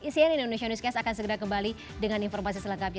sian indonesia newscast akan segera kembali dengan informasi selanjutnya